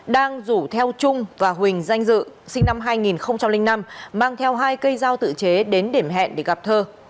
đang rủ theo trung và huỳnh danh dự sinh năm hai nghìn năm mang theo hai cây dao tự chế đến điểm hẹn để gặp thơ